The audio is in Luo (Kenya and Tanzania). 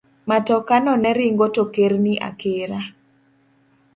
Matokano ne ringo to kerni akera.